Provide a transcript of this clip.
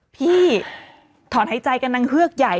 พี่ถอนหายใจกันนางเฮือกใหญ่